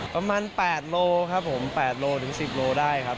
ประมาณ๘โลครับผม๘โลถึง๑๐โลได้ครับ